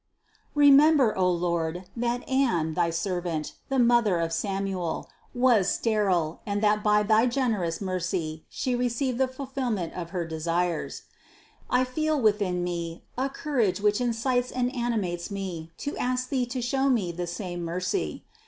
Remember, O Lord, that Anne, thy ser vant, the mother of Samuel, was sterile and that by thy generous mercy she received the fulfillment of her de sires. I feel within me a courage which incites and ani mates me to ask Thee to show me the same mercy.